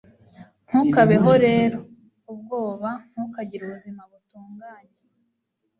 ntukabeho rero ubwoba, ntukagire ubuzima butunganye